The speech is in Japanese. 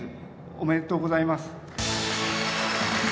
おめでとうございます。